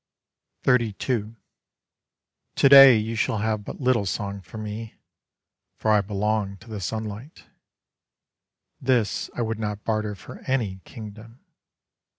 XXXII Today you shall have but little song from me, For I belong to the sunlight. This I would not barter for any kingdom.